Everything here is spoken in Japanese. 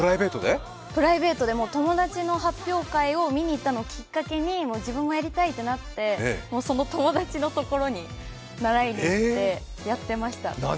プライベートで、友達の発表会を見に行ったのをきっかけに自分もやりたいってなってその友達のところに習いに行ってました。